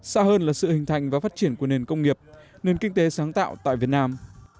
xa hơn là sự hình thành và phát triển của nền công nghiệp nền kinh tế sáng tạo tại việt nam